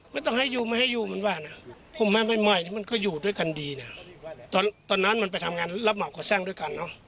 ไม่ต้องให้อยู่ไม่ให้อยู่มันว่านะผมมาใหม่มันก็อยู่ด้วยกันดีนะตอนนั้นมันไปทำงานรับเหมาก่อสร้างด้วยกันเนอะ